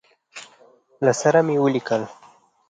له سره مي ولیکی.